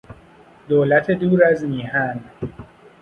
دولت دور از میهن